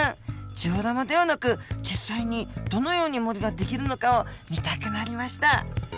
ジオラマではなく実際にどのように森が出来るのかを見たくなりました。